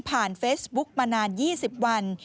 เฟซบุ๊กมานาน๒๐วัน